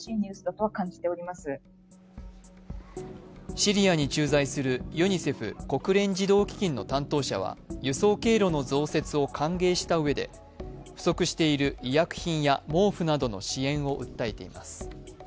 シリアに駐在するユニセフ＝国連児童基金の担当者は輸送経路の増設を歓迎したうえで、不足している医薬品や毛布などの支援を訴えています。